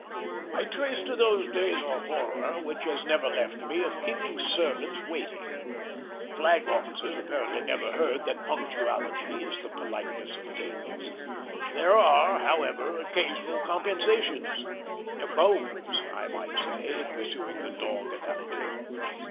I trace to those days a horror which has never left me of keeping servants waiting. Flag officers apparently never heard that punctuality is the politeness of kings. There are, however, occasional compensations; bones, I might say, pursuing the dog analogy.